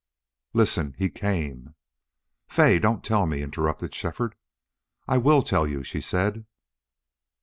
"Listen! He came " "Fay, don't tell me," interrupted Shefford. "I WILL tell you," she said.